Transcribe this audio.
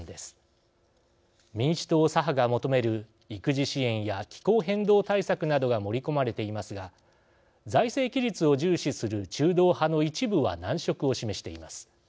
民主党左派が求める育児支援や気候変動対策などが盛り込まれていますが財政規律を重視する中道派の一部は難色を示しています。